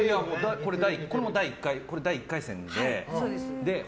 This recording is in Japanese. これも第１回戦で。